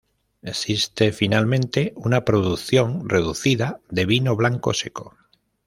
Existe, finalmente, una producción reducida de vino blanco seco.